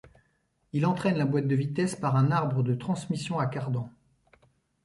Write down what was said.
Il entraîne la boite de vitesses par un arbre de transmission à cardans.